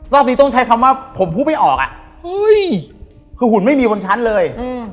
รอบนี้ต้องใช้คำว่าผมพูดไม่ออกคือหุ่นไม่มีบนชั้นเลย